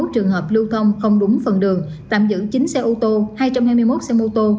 năm trăm bảy mươi một trường hợp lưu thông không đúng phần đường tạm giữ chín xe ô tô hai trăm hai mươi một xe mô tô